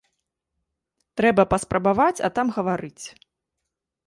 Трэба паспрабаваць, а там гаварыць.